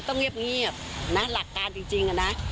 ต้องเงียบนะหลักการจริงอะนะ